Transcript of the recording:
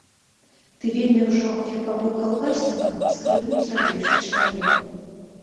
Ты вельмі ўжо, як пабыў калгаснікам, скрытным зрабіўся чалавекам.